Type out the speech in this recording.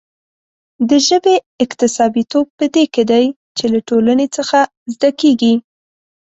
د ژبې اکتسابيتوب په دې کې دی چې له ټولنې څخه زده کېږي.